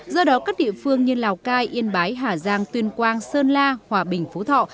do đó các địa phương như lào cai yên bái hà giang tuyên quang sơn la hòa bình phú thọ